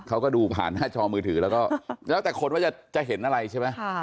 เขาก็ดูผ่านหน้าจอมือถือแล้วก็แล้วแต่คนว่าจะเห็นอะไรใช่ไหม